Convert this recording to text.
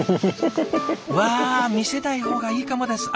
うわ見せない方がいいかもです。